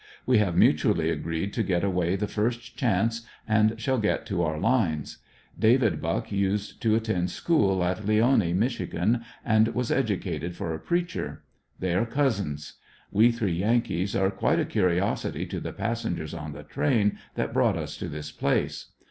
We have mutually agreed to get away the first chance, and shall get to our lines. David Buck used to attend school at Leoni, Mich., and was educated for a preacher. They are cousins. We three Yankees were quite a curiosity to the passengers on the train that brought us to this place.